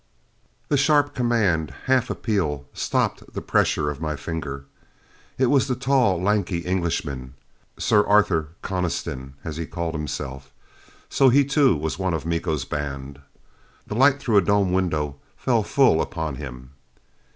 The sharp command, half appeal, stopped the pressure of my finger. It was the tall, lanky Englishman. Sir Arthur Coniston, he as called himself. So he too, was one of Miko's band! The light through a dome window fell full on him.